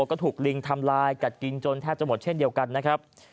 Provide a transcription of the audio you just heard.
ก็ถูกลิงทำลายกัดกินจนแทบจะหมดเช่นเดียวกันนะครับ